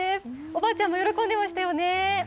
おばあちゃんも喜んでましたよね。